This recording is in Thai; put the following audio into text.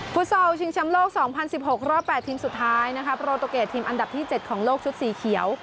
ซอลชิงแชมป์โลก๒๐๑๖รอบ๘ทีมสุดท้ายนะคะโปรตูเกรดทีมอันดับที่๗ของโลกชุดสีเขียว